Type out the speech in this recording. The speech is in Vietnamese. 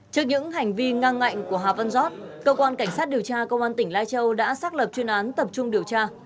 trước những hành vi ngang ngạnh của hà văn giót cơ quan cảnh sát điều tra công an tỉnh lai châu đã xác lập chuyên án tập trung điều tra